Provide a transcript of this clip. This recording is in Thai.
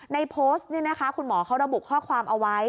ในโพสต์นี้นะคะคุณหมอเขาระบุข้อความเอาไว้